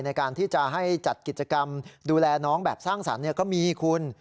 ในการที่จะให้จัดกิจกรรมดูแลน้องแบบสร้างสรรค์ก็มีคุณ